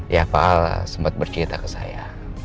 ya pak al sempat bercerita ke saya